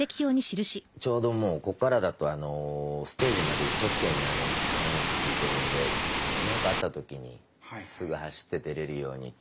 ちょうどここからだとステージまで一直線に花道ついてるんで何かあった時にすぐ走って出れるように。